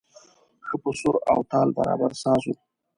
ښه په سور او تال برابر ساز و.